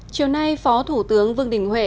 chiều nay phó thủ tướng vương đình huệ